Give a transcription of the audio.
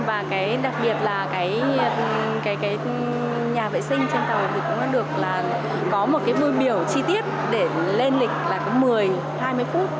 và đặc biệt là nhà vệ sinh trên tàu cũng được có một bưu biểu chi tiết để lên lịch một mươi hai mươi phút